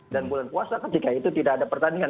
dan bulan puasa ketika itu tidak ada pertandingan